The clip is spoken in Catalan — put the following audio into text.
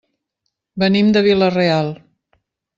Venim de Vila-real.